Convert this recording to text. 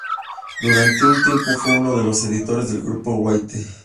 Durante un tiempo fue uno de los editores del grupo Waite.